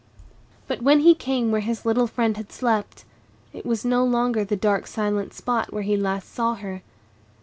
But when he came where his little friend had slept, it was no longer the dark, silent spot where he last saw her.